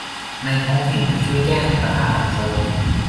ในท้องถิ่นหรือช่วยแก้ไขปัญหาสังคม